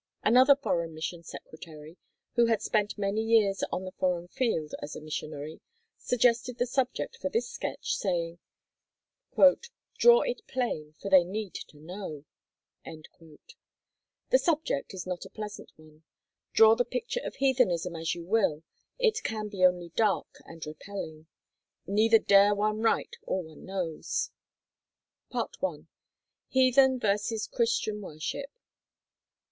Another Foreign Mission Secretary, who had spent many years on the Foreign Field as a missionary, suggested the subject for this Sketch, saying, "Draw it plain, for they need to know." The subject is not a pleasant one; draw the picture of heathenism as you will, it can be only dark and repelling; neither dare one write all one knows.... 1.—HEATHEN VERSUS CHRISTIAN WORSHIP.